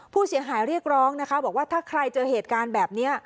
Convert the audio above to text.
ผู้เสียหายเรียกร้องนะคะบอกว่าถ้าใครเจอเหตุการณ์แบบนี้